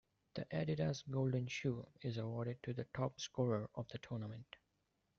The "Adidas Golden Shoe" is awarded to the topscorer of the tournament.